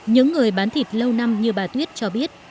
những người bán thịt lâu năm như bà tuyết cho biết